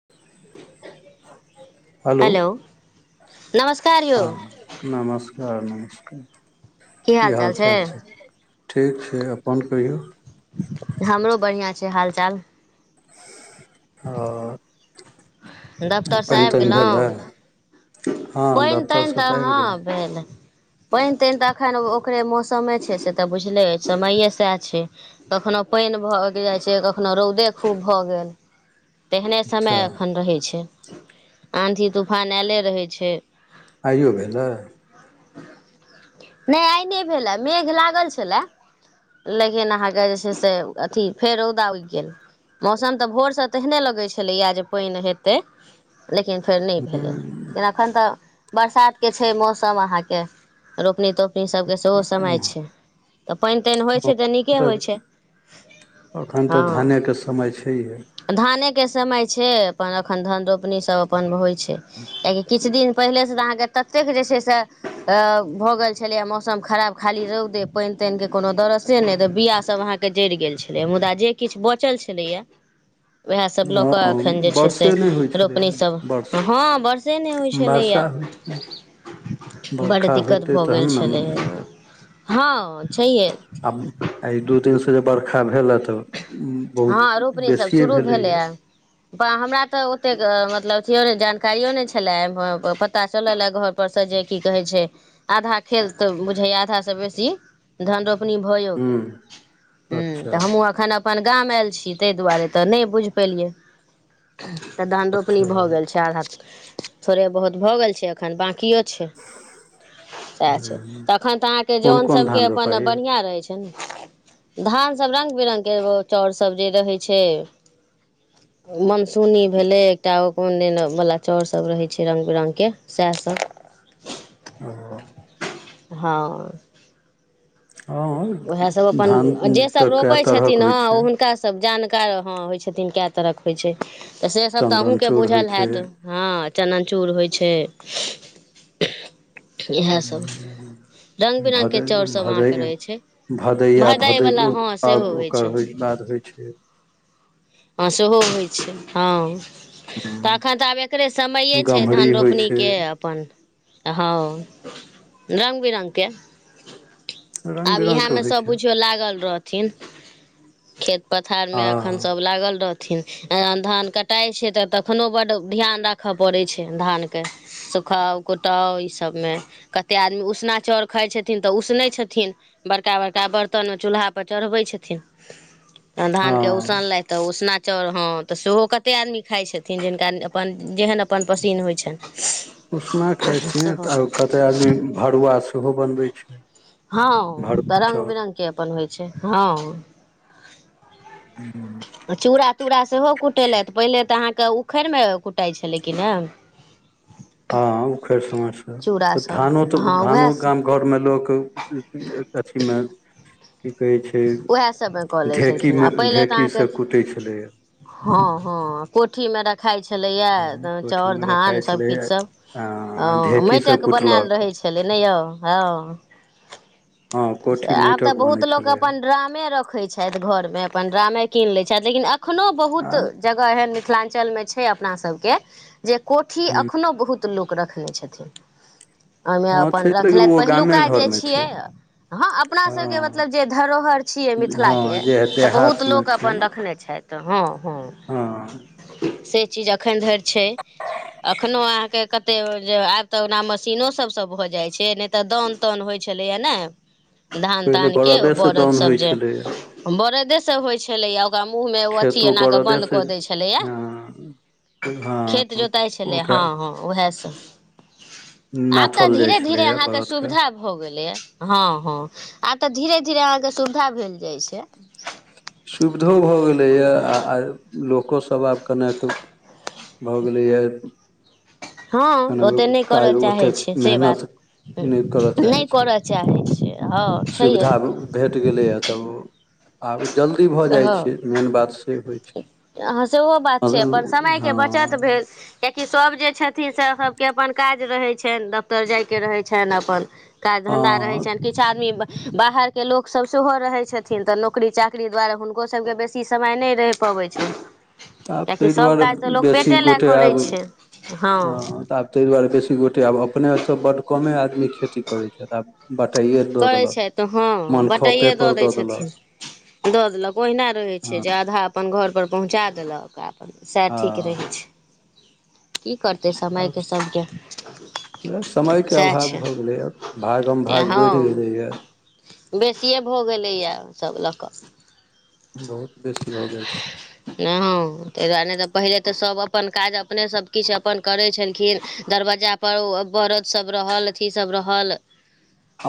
[unintelligible] Hello नमस्कार यौ हँ नमस्कार नमस्कार की हाल चाल छै ठीक छै अपन कहियौ हमरो बढ़ियां छै हाल चाल हऽ डफतरसँ आबि गेलौ भेलै हँ पानि तानि दफ्तरसँ तऽ आबि हँ गेलहुँ भेल पानि तानि तऽ एखन ओकरे मौसमे छै से तऽ बुझले अछि समैए सएह छै कखनो पानि भगि जायछै कखनो रौदे खूब भऽ गेल तेहने अच्छा समय एखन रहै छै आँधी तूफान आयले रहै छै आइयो भेलै नहि आय नै भेलै मेघ लागल छलए लेकिन अहाँके जे छै से अथि फेर रौदा उगि गेल मौसम तऽ भोरस तेहने लगैत छलैया जे पानि हेत तै लेकिन फेर नहि भेलै हँ अखन तऽ बरसात के छै मौसम अहाँ के रोपनी तोपनी अप सभके सेहो समय छै तऽ पानि तानि होय छै तऽ नीके होय छै एखन तऽ हँ धानेके समय छैहे धानेके समय छै अपन एखन धान रोपनी सभ अपन होइत छै कियकि किछ दिन पहिलेसँ तऽ अहाँके ततेक जे छै से भऽ गेल छलैए मौसम खराब खाली रौदे पानि तानि के कोनो दरसे नै त बिया सब अहाँ के जरि गेल छलै मुदा जे किछ बचल छलैया ह [unintelligible] उएहसभ लऽ कऽ एखन जे छै से नहि होइ छलै रोपनीसभ वर्ष हँ वर्षे नहि होय वर्षा छलैए होइ छलै बड्ड बरखा दिक्कत होइतै भऽ तहन गेल ने छलै ह हँ छैहे आब ई दू दिनसँ जे बरखा भेलै तऽ बहुत हँ रोपनी सब बेसिए शुरू भेलैए ब हमरा तऽ ओतेक मतलब अथिओ नहि जानकारियो नहि छलए पता चलल ए घर पर से जे की कहै छै आधा खेत तऽ बुझैया आधा से बेसी धन रोपनी भयो हूँ गेल ह अच्छा तऽ हमूँ अखन अपन गाम आयल छी ताहि दुआरे तऽ नहि बुझि पेलियै तऽ धान रोपनी भऽ अच्छा गेल छै आधा थोड़े बहुत भऽ गेल छै एखन बाकियो छै सेह छै कोन धान कोन सब धान रोपाइ रंग बिरंगके चाउर सब जे रहै छै मनसूनी भेलै एकटा ओ कोन दिनवाला चाउर सब रहै छै रङ्ग बिरङ्गके सएह सब आ हँ हँ उएहसभ अपन जेसभ रोपै तरहक छथिन होइ हँ ओ छै हुनका हुनका सभ जानकार हँ होय छथिन कए तरहक होय छै तऽ से सब तऽ चन्दन अहुँ के चूड़ होइ बुझल छै हयैत हँ चनन चूर होय छै इएहसभ रङ्ंग बिरङ्गके भदै चाउरसभ अहाँके रहैत छै भदै आ भदै भदैवला हँ सेहो होइ ओकर छै होय बाद होइ छै हँ सेहो होय छै हँ तऽ एखन तऽ आब एकरे समये छै गम्हरी धान होइ छै रोपनीके आ अपन हँ रङ्ग बिरङ्गके रंग आब इएह बिरंग के मे होइ सब छै बुझियौ लागल रहथिन खेत पथार मे आ एखन सब लागल रहथिन धान कटाय छै तऽ तखननो बड्ड ध्यान राखय पड़ैत छै धानके सुखाउ कुटाउ ईसभमे कतेक आदमी उसना चाउर खाय छथिन तऽ उसनै छथिन बड़का बड़का बर्तनमे चूल्हापर चढ़बै छथिन [unintelligible] धान के हँ सनलथि तऽ उसना चाउर हँ तऽ सेहो कतेक आदमी खाय छथिन जिनका अपन जेहन अपन पसीन्न होय छनि उसना खाय छिय सेहो तऽ कतेक आदमी भरुआ सेहो बनबै छै हँ भरुआ त रंग चाउर बिरंगग के अपन होइ छै हँ ह चूड़ा तूड़ा सेहो कुटेलथि पहिले तऽ अहाँके उखड़िमे कुटाइत छलै कि ने [inaudible] हँ उखड़ि समटसँ चूड़ा तऽ सब धानो तऽ हँ उएह धानो गाम घरमे लोक कथीमे की कहै छै उएह सबमे कऽ लै छलखिन ढेकीमे आ पहिले तऽ अहाँके ढेकीसभ कूटै छलैए हँ हँ कोठीमे रखाइत छलैए चाउर कोठीमे धान रखाइ छलैए सभकिछुसभ आ हँ ढेकीसँ माटिके बनायल कुटलक रहै छलै ने यौ हँ हँ से कोठी आब तऽ माटिक बहुत बनै लोक छलैए अपन आ ड्रामे रखै छथि घरमे अपन ड्रामे कीन लै छथि लेकिन एखनो बहुत जगह एहन मिथिलांचल में छै अपना सब के जे कोठी अखनो बहुत तऽ लोक रखने छथिन ओहिमे हँ छै अपन रखले लेकिन ओ गामे पहिलुका जे घरमे छियै छै हँ अपनासभके मतलब जे धरोहर छियै हँ मिथिलाके जे तऽ बहुत देहातमे लोक छै अपन रखने छथि हँ हँ से चीज एखन धरि छै अखनो अहाँके कते जे आब तऽ ओना मशीनो सब सब भऽ जाइ छै नहि तऽ दौउन तौन होइ छलैया ने धान पहिले तान के बरदेसँ दाउन बरद सब होइ जे छलैए बरदेसँ होइत छलैएा ओकरा मुँहमे ओ अथी खेतो एना कऽ बन्द बरदेसँ कऽ दैत छलैया हँ खेत हँ जोताइ छलै हँ ओकरा हँ उएहस आब तऽ नाथल जाइ धीरे धीरे छलैया अहाँके बरदके सुविधा भ गेले हँ हँ आ तऽ धीरे धीरे अह के सुविधा भेल जाय छै सुविधो भऽ गेलैए आ लोकोसभ आब कनेक भऽ गेलैए हँ कने ओते नहि काज करय चाहै ओतेक छै से बात मेहनत करय नहि चाहै छै करऽ चाहै छ हँ छैहे सुविधा भेट गेलैए तऽ ओ आब जल्दी भऽ जाइ हँ छै मेन बात से होइ छै हँ सेहो बात हँ छै अपन समयके बचत हँ भेल कियाकि सभ जे छथिन से सभके अपन काज रहै छन दफ्तर जाय के रहै छन अपन काज धन्धा रहैत छनि तऽ किछु आदमी बाहरके लोकसभ सेहो रहैत छथिन तऽ नौ नौकरी चाकरी दुआरे हुनको सबके बेसी समय नहि रहि पबै छै आब किियकि ताहि सभ दुआरे काज तऽ लोक बेसी पेटे लए गोटे करै आब छै हँ तऽ आब ताहि दुआरे बेसी गोटे आब अपने ओतऽ बड कमे आदमी खेती करैत छथि आब बटाईऐ करै छै तऽ हँ बटाइए दऽ दै छथिन दऽ देलक ओहिना रहै छै जे आधा अपन घर पर पहुँचा देलक आ अपन सएह ठीक रहै हँ छै की करतै समयके सभके वएह समयके सएह अभाव छै भऽ गेलैए भागम भाग बढ़ि हँ गेलैए बेसिए भऽ गेलैए सभ लऽ कऽ बहुत बेसी भऽ गेल छै नहि हँ ताहि दुआरे तऽ पहिले तऽ सभ अपन काज अपने सभ किछु अपन करै छलखिन दरवज्जा वरद सभ रहल अथी सब रहल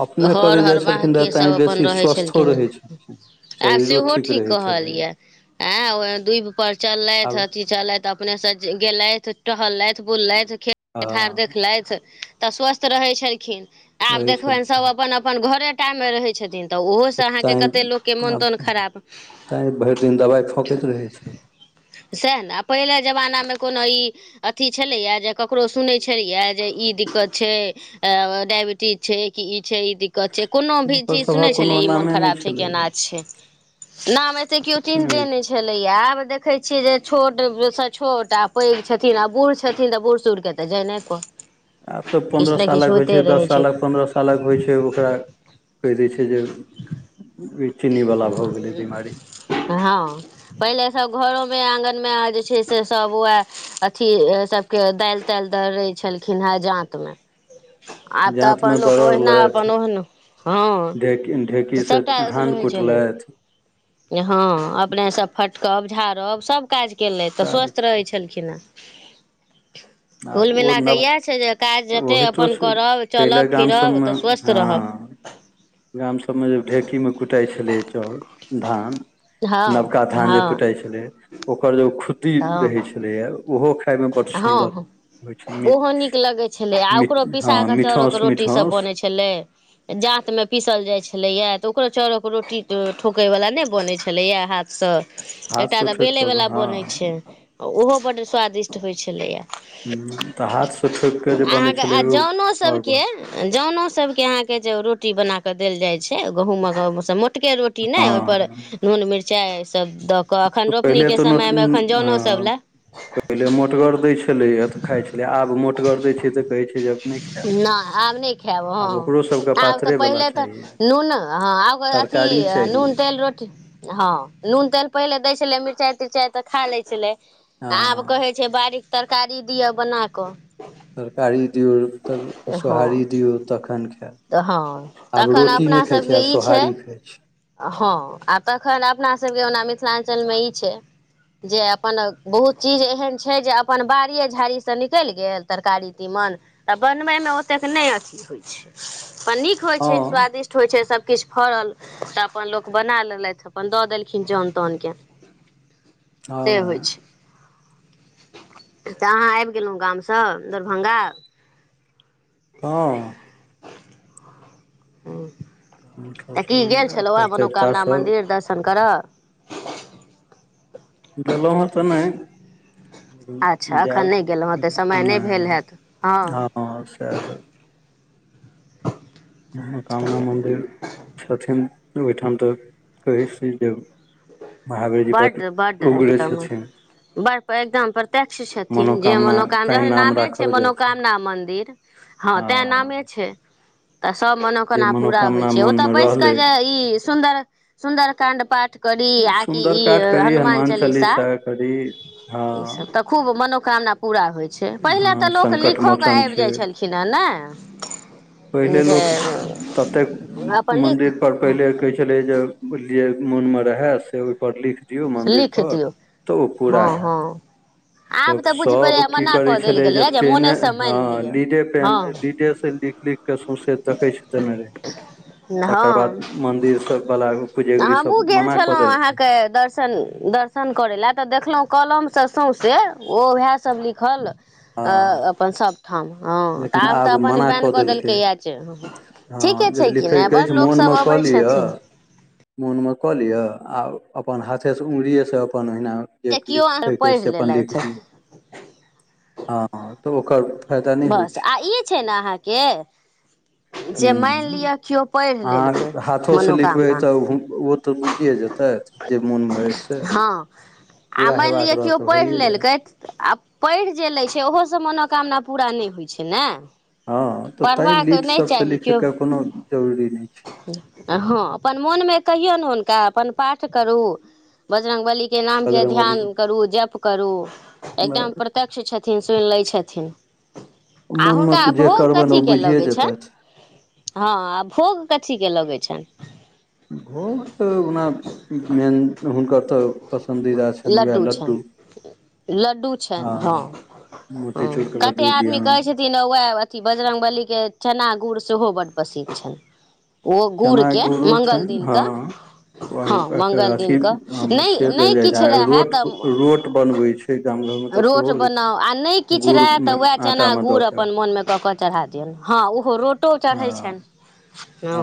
अपने हर करै जाइ छलखिन तऽ हरबाहके तैँ सभ अपन बेसी रहै स्वस्थो रहै छलखिनेँ छलखिन आब शरीरो सेहो ठीक रहै कहल छलैए ये आ ओ डूब पर चललथि आब हथि चलथि अपनेसँ गेलथि टहललथि बुललथि खेत पथार हँ देखलथि तऽ स्वस्थ रहै छलखिन आब रहै देखबनि सभ छलखिन अपन अपन घरे टाइममे रहै छथिन तऽ ओहोसँ अहाँके कतेक लोकके तैँ मोन आब तोन खराब तैँ भरि दिन दबाइ फकैत रहै छ सएह ने आ पहिले जमानामे कोनो ई अथि छलैए जे ककरो सुनैत छलैए जे ई दिक्कत छै। आ, डायबिटीज छै कि ई छै, ई तऽ? कह कोनो भी हुनकर चीज सुनै सभक कोनो छलियै ई मोन नामे खराब नहि छै। छलैए केना छै। नाम ऐते क्यो चिंते नहि छै। भेलेया आब देखै छियै जे छोटसे छोट आ पैघ छथिन आ बुढ़ छथिन तऽ बूढ़ सूढ़के जएने कऽ आब तऽ पन्द्रह सालकऽ होइत छै दस सालक पन्द्रह साल सालक होइ छै ओकरा कहि दै छै जे चीनीवाला भऽ गेलै बिमारी। हँ, पहिले सभ घरोमे आँगनमे जे छै से सभ वए अथी सभके दालि-तालि डालले छलखिन हँ, जाँतमे। आब जाँत अपन में लोक होहिना दरड़लथि अपन हँ, ढेकी ढेकी से सभटा धान रहै छलै। कुटलथि हँ, अपनेसँ फटकब झाड़ब सभ काज केलथि तऽ स्वस्थ रहै छलखिन हे आब ओ कऽ नव इएह छै जे काज तऽ जतेक ओहितो अपन छै। करब पहिले चलब गाम फिरब सभमे तऽ स्वस्थ हँ रहब गाम सभमे जब ढेकीमे कुछ कुटै छलै चाउर धान हँ नबका धान जे हँ कुटे छलै ओकर जे खु खुदी हँ रहै छलैया ओहो खाइमे बड़ हँ सुन्दर हँ होइ छै मि ओहो निक लगै छलै आ मि ओकरो पिसा हँ कऽ चाउरोके मिठाउस रोटीसभ मिठाउस बनैत छलै जाँतमे पीसल जाइत छलैए तऽ ओकरो चउरोक रोटी ठोकयवला नहि बनैत छलैए हाथसँ। एकटा हाथसँ तऽ ठोकि बेले कऽ वाला हँ बनै छै ओहो बड स्वादिष्ट होइ छलैया। तऽ हाथसँ ठोकि कऽ जे बनै छलै अहाँकेँ ओ जनो आओर सभके जनो सभके अहाँकेँ रोटी बना कऽ देल जाइत छै गहूँम म के रोटी ने ओहि हँ पर नून मिरचाई सभ द पहिले तऽ हँ सभ लए पहिल मोतगर। मोटगर देय छले या तऽ खाय छले आब मोटगर देय छै ते कहे छै जे अप खायत नहि आब नहि। खायब हँ, आब तऽ पातरे वाला पहिले तऽ चाहिए नून हँ आकर अथि तरकारी नून चाहिए तेल रोटी हँ, नून तेल पहिले दै छलै मिरचाइ तिरचाइ तऽ खा लै छलै आब। हँ कहै बारीक तरकारी दियअ बना कऽ। तरकारी दियऔ तब हँ सोहारी दियऔ तखन खायल। तऽ हँ, तखन अपना सभके आब ई छै। सोहारी खाइ छै हँ, आ तखन अपना सभके ओना मिथिलांचलमे ई छै। जे अपन बहुत चीज एहन छै जे अपन बाड़ए झाड़ीसँ निकलि गेल तरकारी तीमन। तऽ बनबैमे ओतेक नहि अथी होइत छै। त निक होइत हँ छै स्वादिष्ट होइ छै सभकिछु फड़ल तऽ अपन लोक बना लेलथि अपन दऽ देलखिन जन तनके [inaudible] से होइ छै। तऽ अहाँ आबि गेलहुँ गामसँ दरभंगा? हँ। हमसभ तऽ की सब गेल इएह छलहुँ कर्तव्यता मनोकामना सब मन्दिर दर्शन करऽ? गेलहुँ तऽ नहि। अच्छा एखन जायब नहि गेलहुँ हेँ तऽ समय भेल नहि हैत हँ सभ मनोकामना छैहे मन्दिर छथिन ओहिठाम तऽ कहै छी जे। महावीर जी बड्ड बढ बड्ड उगरे एकदम छथि। बड़ एकदम प्रत्यकछ छथिन जे मनोकामना मनोकम तैं नाम नामे छै राखल गेल मनोकामना मन्दिर। हँ आ तै नामे छै। तऽ सभ जे मनोकना पूरा होइ मनोकामना छै। मोन ओत मे बैस कऽ रहलै जे ई सुन्दर सुन्दर काण्ड पाठ करी आ कि सुन्दर ई काण्ड करी हनुमान चालीसा करी हँ ई सभ तब खूब मनोकामना। पूरा होइत छैय पहिले हँ तऽ लोक संकट लिखो कऽ मोचन आबि छै जाइत छलखिन हेँ ने। पहिले जे लोक ततेक अपन लिख मन्दिर पर पहिले कहै छलै जे जे मोन मे रहे से ओहि पर लिख दियौ मन्दिर लिख पर दियौ तऽ ओ पूरा हँ हैत हँ आब तब तऽ बुझि सब पड़ैये की मना करै कऽ देल छलै जे गेलैये पेने मोनेसँ हँ मानि लिअ लीडे पेन हँ लीडेसँ लिख लिखिक सौँसे तकै छलै। तने तकर बाद हँ मन्दिरसभवला पूजगरीसभ मना कऽ देलखिन। सन दर्शन करै लए तऽ देखलहुँ कलमसँ सौँसे ओ ओएह सब लिखल। हँ अपन सभ ठाम हँ तऽ लेकिन आब तऽ अपन मना बैन कऽ देलकै देलकैए जे। हँ ठीके जब छै कि नहि लिखैके बड़ अछि लोकसभ मोनमे अबै कहऽ लिअ छथिन मोनमे कऽ लिअ आ अपन हाथेसँ अङ्गुरिएसँ अपन ओहिना जे केओ पढ़ि से अपन लिख लेलथि दियौ हँ तऽ ओकर फ बस आ ई छैय ने अहाँके जे मानि हँ लिअ केओ पढ़ि लेलकै अहाँ हाथो से लिखबै मनोकामना तऽ ओ तऽ बुझिए जेतै। तऽ हँ आ पूरा मानि हेबाक लिअ रहत केओ तऽ पढ़ि होइए जायत लेलकै आ पैढ़ि जे लैत छैय ओहोसँ मनोकामना पूरा नहि होइत छैय ने? हँ तऽ तांही पढ़बाक लीड नहि सब से चाही लिखे केओ के कोनो जरूरी नहि छैय। हँ अपन मोनमे कहियौन हुनका अपन पाठ करू बजरंग बली के नाम के बजरङ्गबली ध्यान करु जप करू एकदम प प्रत्यक्ष छथिन सुनि लै छथिन आ मोनमे हुनका जे भोग करबनि कथी ओ के बुझिए लगैत छनि? जेतथि हँ आ भोग कथीके लगैत छनि? भोग तऽ ओना मेन हुनकर त पसन्दीदा छनि वैह लड्डू। लड्डू छनि हँ ह मोतीचूरके कते लड्डू आदमी दियौन कहै छैय थिन वैह अथी बजरंग बली के चना गुड़ सेहो बड पसिन छैन। ओहो गुड़ चना के गुड़ो मंगल छनि दिन हँ के आओर हँ एकर मंगल अथी दिन के। से नहि देल नहि जाइ किछु छै रहै रोट रोट त बनबै छै गाम घरमे तऽ रोट सेहो होइ बनाउ आ नहि किछु गुड़ रहै मे तऽ वएह आटा चना मे दऽ गुड़ के अपन मोन मे कक चढ़ा दियौन ह रोटो चढ़ैइ छैन हँ ह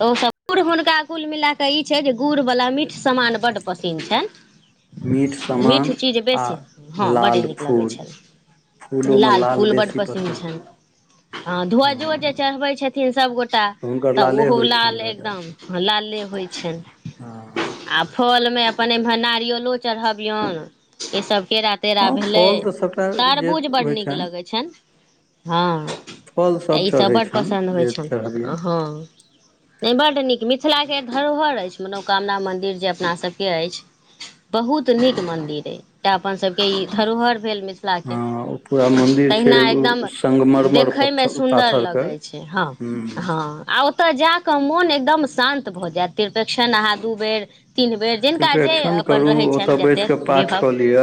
त उ गुड़ हुनका कुल मिलााकऽ ई छैय जे गुड़वला मीठ सामान बड्ड पसिन्न मीठ छनि। मीठ सामान चीज आ बेसी हँ बड्ड लाल नीक लगै फूल फूलो छनि। मे लाल फूल बड्ड बेसी पसन्द छनि। ह ध्वजो जे हँ चढ़बै छथिन सभगोटा हुनकर तऽ लाले ओहो होइ लाल छनि ध्वजा एकदम। ह लाले होइ छनि हँ आब फलमे अपन एमहर नारियलो चढ़बियैन ई सबके केरा तेरा हँ भेलै फल तऽ सभटा जे तारबूज बड् होइ नीक लगै छनि। हँ फल तऽ सभ ईसभ चढ़ै बड छनि पसन्द होइ जे छनि चढ़बियनि हँ। नहि बड नीक मिथिला के धरोहर अछि मनोकामना मंदिर जे अपना सबके के अछि बहुत नीक मंदिर अछि तें अपन सबके ई धरोहर भेल मिथि थिलके हँ ओ पूरा मन्दिर छै तहिना ओ एकदम संगमरमर देखयमे पत्थर सुन्दर पाथर के लगै छैय हँ। हूँ हँ आ ओ ओत जा क मोन एकदम शांत भऽ जायत तिरपेक्षण अहा दू बेर तीन बेर जिनका जे त्रिपेक्षण अपन करू रहै छनि ओतऽ बैस जते कऽ पाठ विभव कऽ लिअ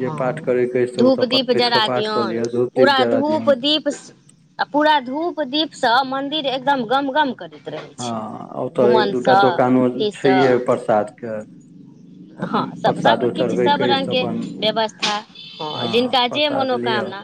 जे हँ पाठ करैके अछि से ओतऽ धूप दीप बैस कऽ जरा पाठ कऽ दियौन लिअ धूप दीप पूरा जरा धूप दियौन दीप पूरा धूप दीप से मंदिर एकदम गम गम कर रहै छैय हँ ओतऽ एक धूमन दूटा सँ दोकानो तहि सँ छैहे प्रसाद के हँ अपन सब सब प्रसादो किछु चढ़बै सब अछि रंग तऽ के अपन व्यवस्था हँ जिनका जे प्रसाद लिअ मनोकामना।